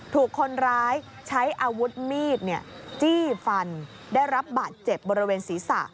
ถูกคนร้ายใช้อาวุธมีดจี้ฟันได้รับบาดเจ็บบริเวณศีรษะ